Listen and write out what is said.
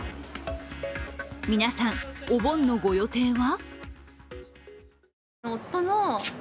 皆さん、お盆のご予定は？